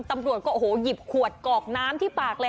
ตำรวจก็โอ้โหหยิบขวดกอกน้ำที่ปากเลยค่ะ